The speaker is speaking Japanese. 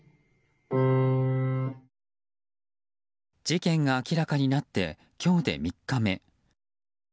事件が明らかになって今日で３日目。